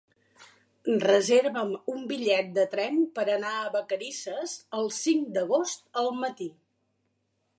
Reserva'm un bitllet de tren per anar a Vacarisses el cinc d'agost al matí.